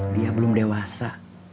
dia belum dewasa